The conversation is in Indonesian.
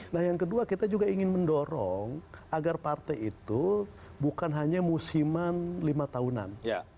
nah yang kedua kita juga ingin mendorong agar partai itu bukan hanya musiman lima tahunan